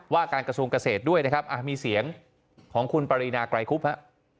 ว่าการกระทรวงเกษตรด้วยนะครับมีเสียงของคุณปรินาไกรคุบฮะ